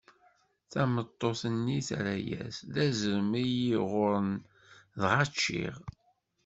Tameṭṭut-nni terra-as: D azrem i yi-iɣurren, dɣa ččiɣ.